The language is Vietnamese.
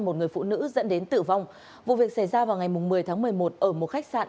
một người phụ nữ dẫn đến tử vong vụ việc xảy ra vào ngày một mươi tháng một mươi một ở một khách sạn